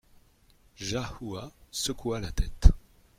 Jahoua secoua la tête.